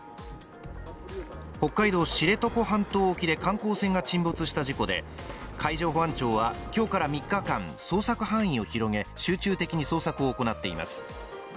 北海道・知床半島沖で観光船が沈没した事故で海上保安庁は今日から３日間捜索範囲を広げ、集中的に捜索を行っています。